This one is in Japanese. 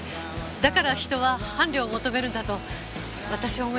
だから人は伴侶を求めるんだと私は思います。